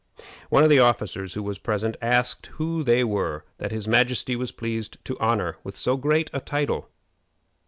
One of the officers who was present asked who they were that his majesty was pleased to honor with so great a title.